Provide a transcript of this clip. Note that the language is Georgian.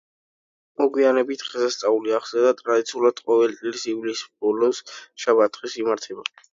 მოგვიანებით დღესასწაული აღდგა და ტრადიციულად ყოველი წლის ივლისის ბოლო შაბათ დღეს იმართება.